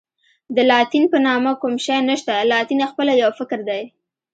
د لاتین په نامه کوم شی نشته، لاتین خپله یو فکر دی.